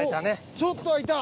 ちょっとはいた！